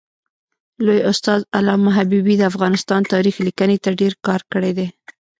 لوی استاد علامه حبیبي د افغانستان تاریخ لیکني ته ډېر کار کړی دی.